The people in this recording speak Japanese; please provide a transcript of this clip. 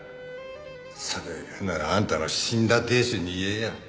それを言うならあんたの死んだ亭主に言えよ。